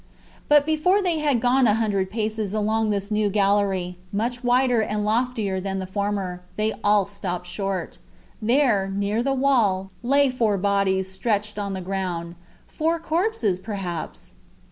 But before they had gone a hundred paces along this new gallery, much wider and loftier than the former, they all stopped short. There, near the wall, lay four bodies, stretched on the ground—four corpses, perhaps!